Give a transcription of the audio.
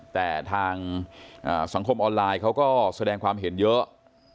แต่ทางสังคมออนไลน์เขาก็แสดงความเห็นเยอะ